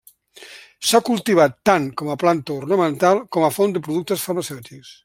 S'ha cultivat tant com planta ornamental com a font de productes farmacèutics.